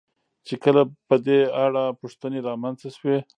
چې کله په دې اړه پوښتنې را منځته شوې.